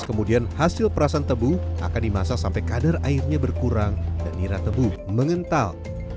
kemudian hasil perasan tebu akan dimasak sampai kadar airnya berkurang dan nira tebu mengental